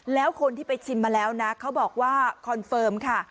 แล้วคนที่ไปชิมมาแล้วนะเขาบอกว่าคอนเฟิร์มค่ะ